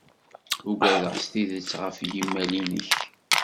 Ugadeɣ s tidet ɣef yimal-nnek.